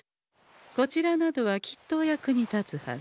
こちらなどはきっとお役に立つはず。